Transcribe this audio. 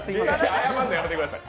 謝るのやめてください。